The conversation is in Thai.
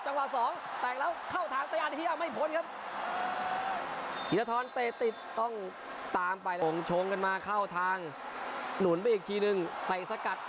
แถวสองยิงใส่เข้าไว้อู้หือ